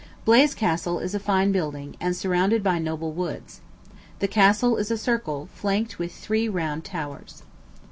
Blaize Castle is a fine building, and surrounded by noble woods. The castle is a circle, flanked With three round towers.